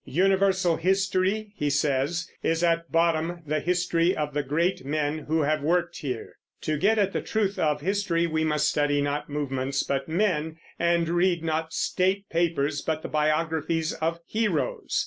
"Universal history," he says, "is at bottom the history of the great men who have worked here." To get at the truth of history we must study not movements but men, and read not state papers but the biographies of heroes.